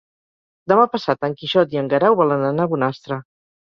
Demà passat en Quixot i en Guerau volen anar a Bonastre.